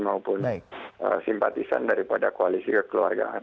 maupun simpatisan daripada koalisi kekeluargaan